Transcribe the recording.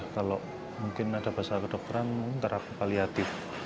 kalau ada bahasa kedokteran mungkin terapi paliatif